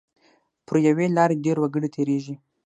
پر یوې لارې ډېر وګړي تېریږي.